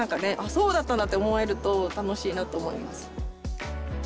そうだったんだって思えると楽しいなと思います。